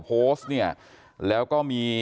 โพสต์เนี่ยแล้วก็มี